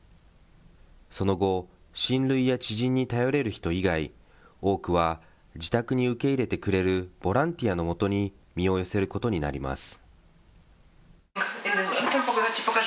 その後、親類や知人に頼れる人以外、多くは自宅に受け入れてくれるボランティアのもとに身を寄せることになります。